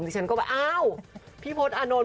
ที่ฉันก็ว่าอ้าวพี่พลอดอานนท์